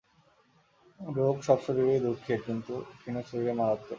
রোগ সব শরীরেই দুঃখের কিন্তু ক্ষীণ শরীরে মারাত্মক।